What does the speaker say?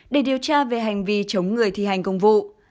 để điều tra về hành vi chống người thi hành công vụ